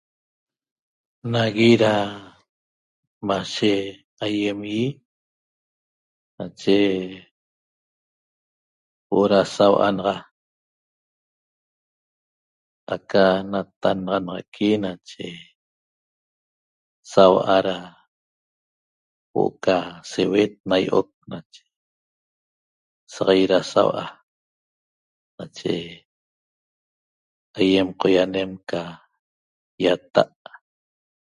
Nagui ra mashe aiem ie nache huo'o ra saua naxa aca natannaxanaxaqui nache saua' ra huo'o ca seuet na io'oc nache saxaiet ra saua' nache aiem qoianem ca iata'